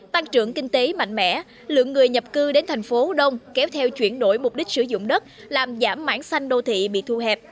tăng trưởng kinh tế mạnh mẽ lượng người nhập cư đến thành phố đông kéo theo chuyển đổi mục đích sử dụng đất làm giảm mảng xanh đô thị bị thu hẹp